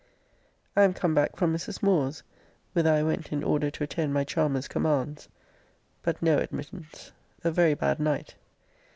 I am come back from Mrs. Moore's, whither I went in order to attend my charmer's commands. But no admittance a very bad night.